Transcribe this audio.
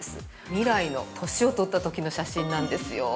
未来の、年をとったときの写真なんですよ。